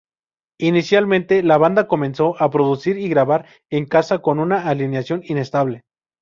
Inicialmente, la banda comenzó a producir y grabar en casa con una alineación inestable.